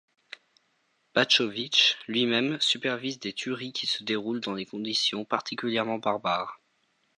Baćović lui-même supervise des tueries qui se déroulent dans des conditions particulièrement barbares.